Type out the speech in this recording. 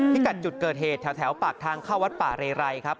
กัดจุดเกิดเหตุแถวปากทางเข้าวัดป่าเรไรครับ